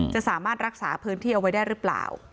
จะสามารถรักษาพื้นที่เอาไว้ได้หรือเปล่า